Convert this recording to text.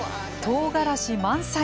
とうがらし満載。